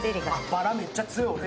ばら、めっちゃ強い。